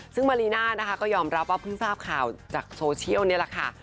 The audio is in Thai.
ซึ่งมารีน่านะคะก็ยอมรับว่าเพิ่งทราบข่าวจากโซเชียลนี่แหละค่ะ